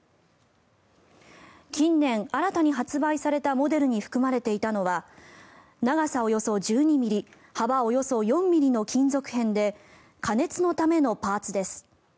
近年、新たに発売されたモデルに含まれていたのは長さおよそ１２ｍｍ幅およそ４ｍｍの金属片で加熱のためのパーツです。